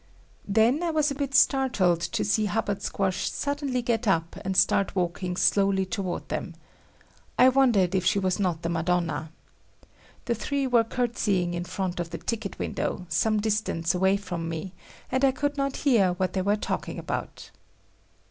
Then I was a bit startled to see Hubbard Squash suddenly get up and start walking slowly toward them. I wondered if she was not the Madonna. The three were courtesying in front of the ticket window, some distance away from me, and I could not hear what they were talking about.